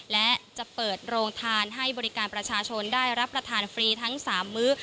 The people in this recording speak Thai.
และจะเปิดโรงทานให้บริการประชาชนได้รับประทานฟรีทั้ง๓มื้อ